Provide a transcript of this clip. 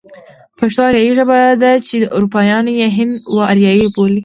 پښتو آريايي ژبه ده چې اروپايان يې هند و آريايي بولي.